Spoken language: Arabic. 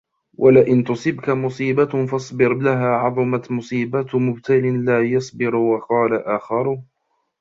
وَلَئِنْ تُصِبْكَ مُصِيبَةٌ فَاصْبِرْ لَهَا عَظُمَتْ مُصِيبَةُ مُبْتَلٍ لَا يَصْبِرُ وَقَالَ آخَرُ